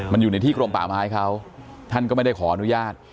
มันอยู่ในที่กรมป่าไม้เขาท่านก็ไม่ได้ขออนุญาต